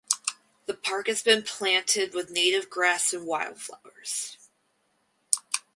The park has been planted with native grass and wildflowers.